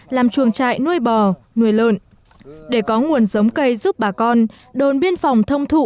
làm chuồng trại nuôi bò nuôi lợn để có nguồn giống cây giúp bà con đồn biên phòng thông thụ